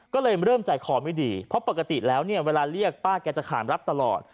ก็เลยเริ่มใจคอไม่ดีเพราะปกติแล้วเนี่ยเวลาเรียกป้าแกจะขามรับตลอด